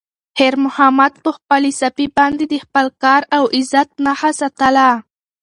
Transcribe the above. خیر محمد په خپلې صافې باندې د خپل کار او عزت نښه ساتله.